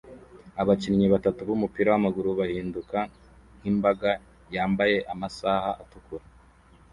Abakinnyi batatu b'umupira w'amaguru bahinduka nk'imbaga yambaye amasaha atukura